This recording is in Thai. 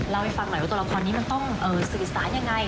เล่าให้ฟังหน่อยว่าตัวละครนี้มันต้องสื่อสารยังไง